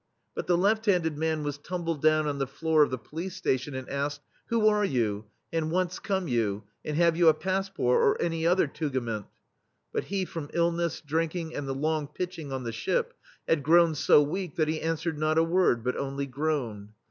But the left handed man was tum bled down on the floor of the police station, and asked: "Who arc you, and whence come you, and have you a pass port or any other tugament?'* But he, from illness, drinking, and the longpitching on the ship, had grown so weak that he answered not a word, but only groaned.